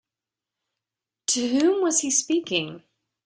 To whom was he speaking?